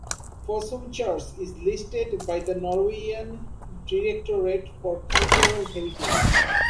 Fossum Church is listed by the Norwegian Directorate for Cultural Heritage.